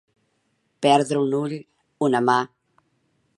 Perdre un ull, una mà.